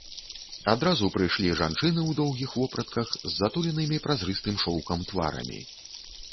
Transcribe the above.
Адразу прыйшлі жанчыны ў доўгіх вопратках, з затуленымі празрыстым шоўкам тварамі.